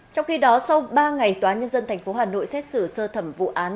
trong khi đó sau ba ngày tnthh xét xử sơ thẩm vụ án